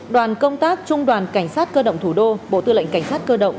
đoàn công tác trung đoàn cảnh sát cơ động thủ đô bộ tư lệnh cảnh sát cơ động